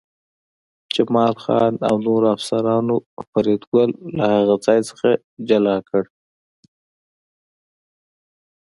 جمال خان او نورو افسرانو فریدګل له هغه څخه جلا کړ